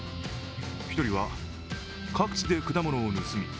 １人は、各地で果物を盗み